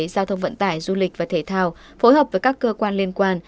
giao thông vận tải du lịch và thể thao phối hợp với các cơ quan liên quan